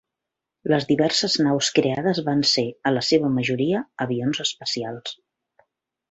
Les diverses naus creades van ser, en la seva majoria, avions espacials.